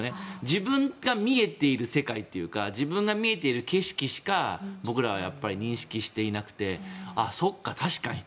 自分が見えている世界というか自分が見えている景色しか僕らはやっぱり認識していなくてあ、そうか確かに。